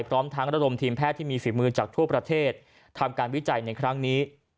พร้อมทั้งระดมทีมแพทย์ที่มีฝีมือจากทั่วประเทศทำการวิจัยในครั้งนี้